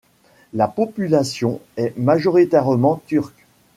La population est majoritairement turc.